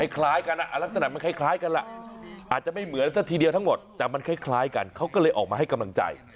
คล้ายกันลักษณะมันคล้ายกันล่ะอาจจะไม่เหมือนซะทีเดียวทั้งหมดแต่มันคล้ายกันเขาก็เลยออกมาให้กำลังใจ